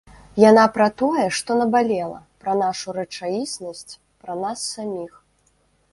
Яна пра тое, што набалела, пра нашу рэчаіснасць, пра нас саміх.